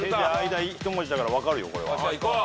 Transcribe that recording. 間１文字だから分かるよ。